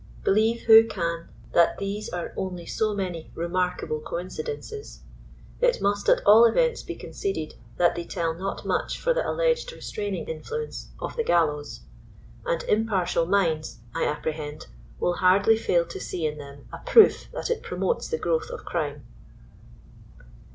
Believe who can that these are only so many «* remarkable coincidences." It must at all events be conceded that they tell not much for the alleged restraining influence of the gallows; and impartial minds, I apprehend, will hardly fail to see in them a proof that it promotes the growth of crime.